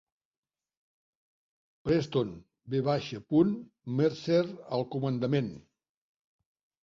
Preston V. Mercer al comandament.